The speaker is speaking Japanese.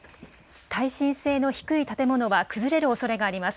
耐震性の低い建物は崩れるおそれがあります。